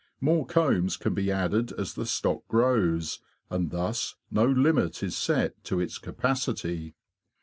More combs can be added as the stock grows, and thus no limit is set to its capacity.